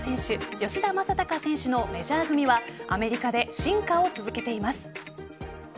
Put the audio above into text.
吉田正尚選手のメジャー組はアメリカで進化を続けています。